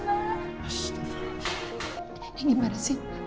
yang gimana sih